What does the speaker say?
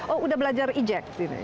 oh sudah belajar ejek